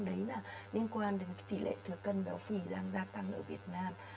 đấy là liên quan đến tỷ lệ thừa cân béo phì đang gia tăng ở việt nam